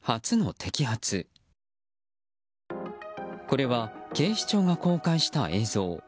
これは警視庁が公開した映像。